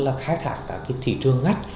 là khai thả các cái thị trường ngách